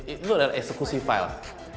itu adalah execution file